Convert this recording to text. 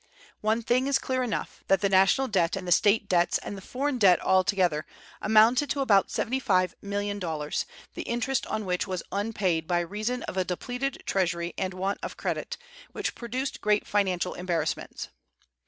One thing is clear enough, that the national debt and the State debts and the foreign debt altogether amounted to about seventy five million dollars, the interest on which was unpaid by reason of a depleted treasury and want of credit, which produced great financial embarrassments.